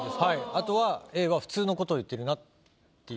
あとはＡは普通の事を言ってるなっていう。